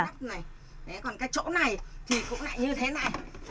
còn cái chỗ này thì cũng lại như thế này